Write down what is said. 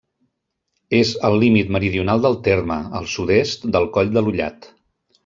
És al límit meridional del terme, al sud-est del Coll de l'Ullat.